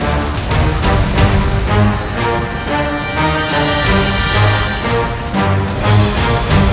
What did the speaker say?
karena kamu tidak bisa mencari rai rarasanta